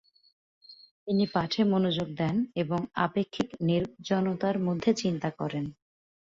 তিনি পাঠে মনোযোগ দেন এবং আপেক্ষিক নির্জনতার মধ্যে চিন্তা করেন।